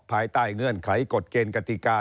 ภายใต้เงื่อนไขกฎเกณฑ์กติกา